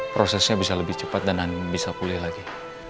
prosesnya bisa lebih cepat dan bisa pulih lagi